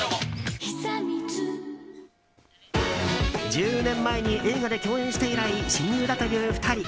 １０年前に映画で共演して以来親友だという２人。